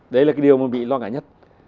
đấy là cái điều mà mỹ lo ngại nhất